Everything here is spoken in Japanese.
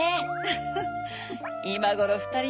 フフいまごろふたり